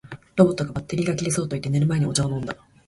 ロボットが「バッテリーが切れそう」と言って、寝る前にお茶を飲んだ